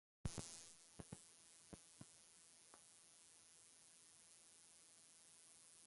The line is still operational today.